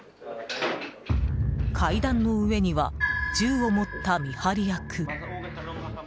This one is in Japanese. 階段の上には銃を持った見張り役。